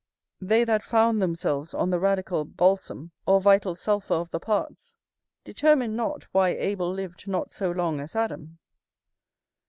They that found themselves on the radical balsam, or vital sulphur of the parts, determine not why Abel lived not so long as Adam.